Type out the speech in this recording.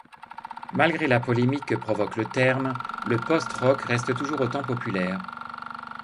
Malgré la polémique que provoque le terme, le post-rock reste toujours autant populaire.